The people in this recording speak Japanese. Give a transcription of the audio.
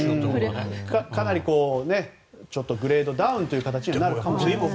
かなり、グレードダウンになるかもしれません。